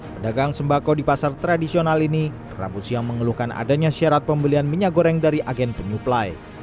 pedagang sembako di pasar tradisional ini rabu siang mengeluhkan adanya syarat pembelian minyak goreng dari agen penyuplai